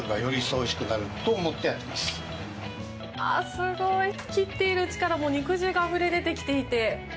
すごい、切ってるうちから肉汁があふれ出てきていて。